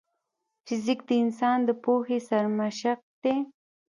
فزیک د انسان د پوهې سرمشق دی.